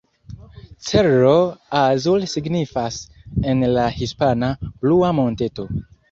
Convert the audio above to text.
Cerro Azul signifas en la hispana "Blua Monteto".